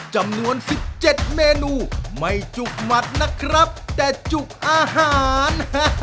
จำนวนสิบเจ็ดเมนูไม่จุบมัดนะครับแต่จุบอาหาร